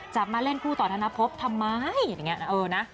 จะมาเล่นคู่ต่อธนภพทำไมอย่างนี้นะเออนะ